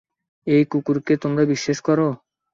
ওই কুকুরকে তোমরা বিশ্বাস করো?